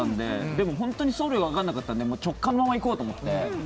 でも本当に送料分かんなかったので直感のままいこうと思って。